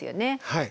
はい。